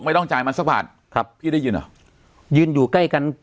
ไม่ต้องจ่ายมันสักบาทครับพี่ได้ยินเหรอยืนอยู่ใกล้กัน